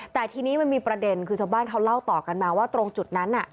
แต่ทีนี้มันมีประเด็นคือชาวบ้านเขาเล่าต่อกันมาว่าตรงจุดนั้น